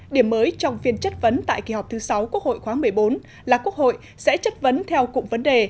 điểm mới trong phiên chất vấn tại kỳ họp thứ sáu quốc hội khóa một mươi bốn là quốc hội sẽ chất vấn theo cụm vấn đề